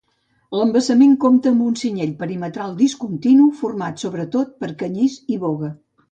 L'embassament compta amb un cinyell perimetral discontinu, format sobretot per canyís i boga.